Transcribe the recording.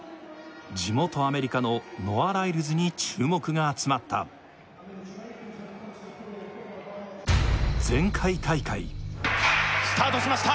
地元アメリカのノア・ライルズに注目が集まった前回大会スタートしました